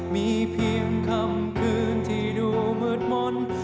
มีเพียงคำคืนที่ดูมืดมนต์